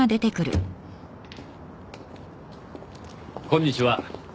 こんにちは。